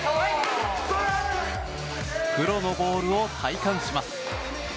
プロのボールを体感します。